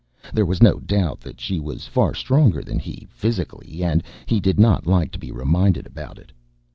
There was no doubt that she was far stronger than he physically and he did not like to be reminded about it.